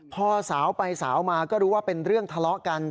พอสาวไปสาวมาก็รู้ว่าเป็นเรื่องทะเลาะกัน